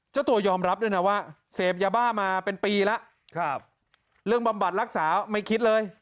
เจ้าตัวยอมรับด้วยนะว่าเสพยาบ้ามาเป็นปีแล้วเรื่องบำบัดรักษาไม่คิดเลย